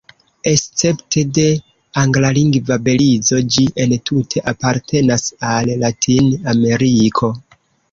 Escepte de anglalingva Belizo ĝi entute apartenas al Latin-Ameriko.